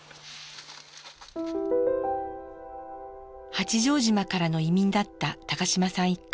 八丈島からの移民だった高島さん一家。